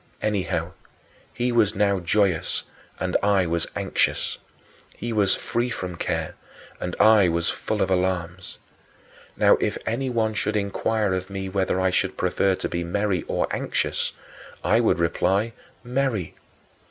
Anyhow, he was now joyous and I was anxious. He was free from care, and I was full of alarms. Now, if anyone should inquire of me whether I should prefer to be merry or anxious, I would reply, "Merry."